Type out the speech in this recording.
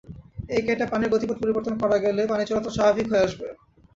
এটি কেটে পানির গতিপথ পরিবর্তন করা গেলে পানি চলাচল স্বাভাবিক হয়ে আসবে।